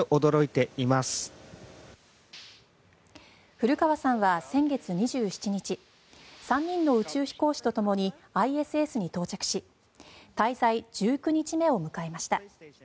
古川さんは先月２７日３人の宇宙飛行士とともにＩＳＳに到着し滞在１９日目を迎えました。